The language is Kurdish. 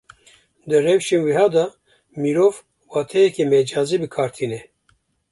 Di rewşên wiha de mirov, wateyeke mecazî bi kar tîne